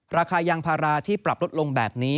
ราคายางพาราที่ปรับลดลงแบบนี้